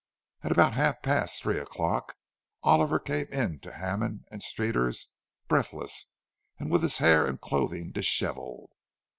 At about half after three o'clock, Oliver came into Hammond and Streeter's, breathless, and with his hair and clothing dishevelled.